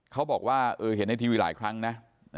เขาบอกว่าเห็นในทีวีหลายครั้งนะ